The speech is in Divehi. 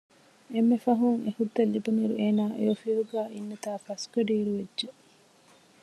އެންމެ ފަހުން އެ ހުއްދަ ލިބުނުއިރު އޭނާ އެ އޮފީހުގައި އިންނަތާ ފަސްގަޑިއިރު ވެއްޖެ